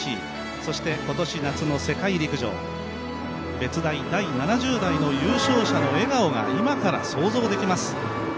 そして今年夏の世界陸上、別大第７０代の優勝者の笑顔が今から想像できます。